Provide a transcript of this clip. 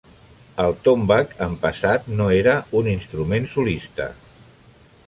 El tombak en passat no era un instrument solista.